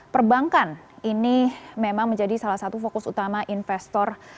perbankan ini memang menjadi salah satu fokus utama investor